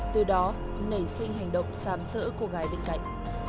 từ đó nảy sinh hành động sám sỡ cô gái bên cạnh